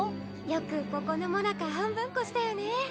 よくここのもなか半分こしたよね